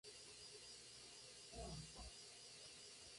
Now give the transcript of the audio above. En este tráiler se puede ver a Bahamut en combate contra Shiva.